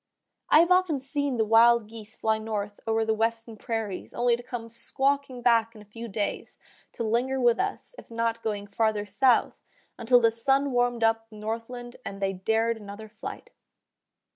I have often seen the wild geese fly north over the western prairies only to come squawking back in a few days, to linger with us, if not going farther south, until the sun warmed up the northland and they dared another flight.